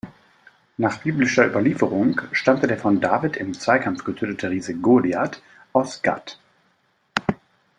Nach biblischer Überlieferung stammte der von David im Zweikampf getötete Riese Goliat aus Gat.